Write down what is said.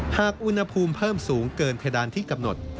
หากอุณหภูมิเพิ่มสูงเกินเพดานที่กำหนด